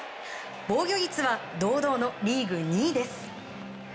防御率は堂々のリーグ２位です。